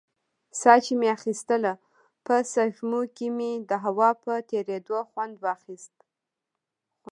ساه چې مې اخيستله په سپږمو کښې مې د هوا په تېرېدو خوند اخيست.